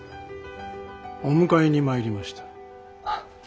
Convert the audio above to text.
お迎えに参りました。